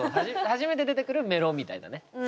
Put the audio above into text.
初めて出てくるメロみたいなね。